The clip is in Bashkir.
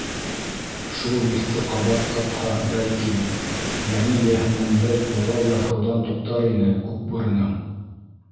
Шул Еҫте ҡабат тапһа, бәлки, йәне йәһәннәмдәй тулау-ярһыуҙан туҡтар ине Күкбүренең.